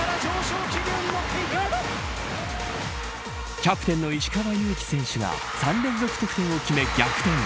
キャプテンの石川祐希選手が３連続得点を決め逆転。